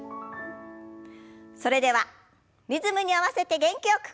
それではリズムに合わせて元気よく。